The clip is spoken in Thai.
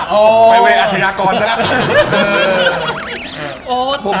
ไปไว้อัณฑินากรแล้ว